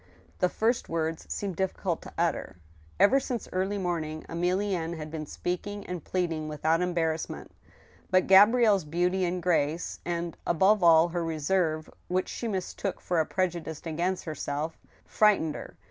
The first words seemed difficult to utter. Ever since early morning Emilienne had been speaking and pleading without embar rassment. But Gabrielle's beauty and grace, and, above all, her reserve, which she mistook for a prejudice against herself, frightened her.